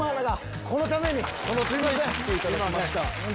このために⁉来ていただきました。